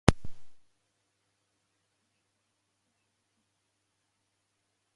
It was previously available to certain male property owners.